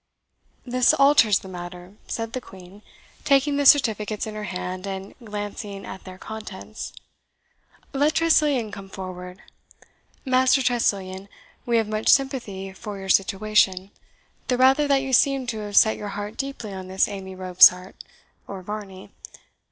"This alters the matter," said the Queen, taking the certificates in her hand, and glancing at their contents. "Let Tressilian come forward. Master Tressilian, we have much sympathy for your situation, the rather that you seem to have set your heart deeply on this Amy Robsart, or Varney.